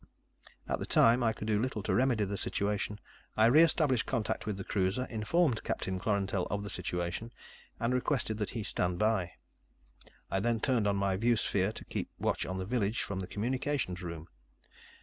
At the time, I could do little to remedy the situation. I re established contact with the cruiser, informed Captain Klorantel of the situation, and requested that he stand by. I then turned on my viewsphere to keep watch on the village from the communications room.